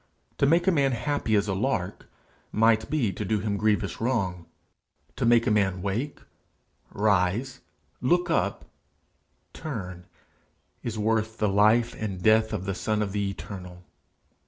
To make a man happy as a lark, might be to do him grievous wrong: to make a man wake, rise, look up, turn, is worth the life and death of the Son of the Eternal.